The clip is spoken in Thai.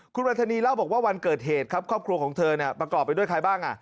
คุณวัฒนีเล่าบอกว่าวันเกิดเหตุครับครอบครัวของเธอประกอบไปด้วยใครบ้าง